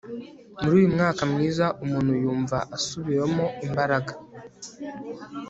muri uyu mwuka mwiza umuntu yumva asubiwemo imbaraga